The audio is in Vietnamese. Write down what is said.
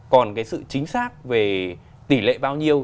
còn cái sự chính xác về tỷ lệ bao nhiêu